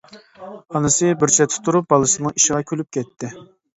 ئانىسى بىر چەتتە تۇرۇپ بالىسىنىڭ ئىشىغا كۈلۈپ كەتتى.